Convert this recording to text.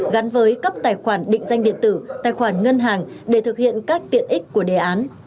gắn với cấp tài khoản định danh điện tử tài khoản ngân hàng để thực hiện các tiện ích của đề án